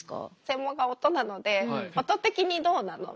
専門が音なので「音的にどうなの？」